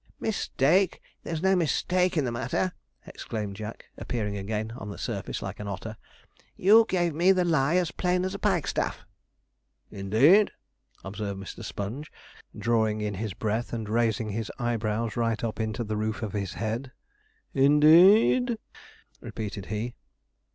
'Mistake! There's no mistake in the matter!' exclaimed Jack, appearing again on the surface like an otter; 'you gave me the lie as plain as a pikestaff.' 'Indeed!' observed Mr. Sponge, drawing in his breath and raising his eyebrows right up into the roof of his head. 'Indeed!' repeated he.